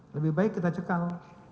lebih baik kita cekal